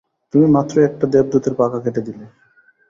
তুমি মাত্রই একটা দেবদূতের পাখা কেটে দিলে।